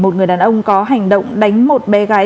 một người đàn ông có hành động đánh một bé gái